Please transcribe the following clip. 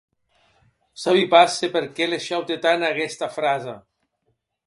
Sabi pas se per qué les shaute tant aguesta frasa.